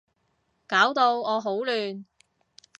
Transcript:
搞到我好亂